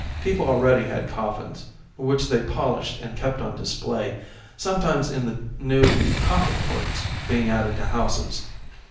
People already had coffins, which they polished and kept on display, sometimes in the new "Coffin ports" being added to houses.